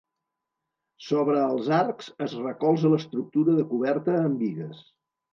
Sobre els arcs es recolza l'estructura de coberta amb bigues.